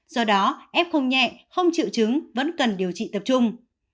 do đó f không nhẹ không chịu chứng vẫn cần điều trị tập trung